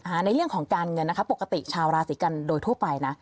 ในเรื่องของการเงินนะคะปกติชาวราศีกันโดยทั่วไปนะ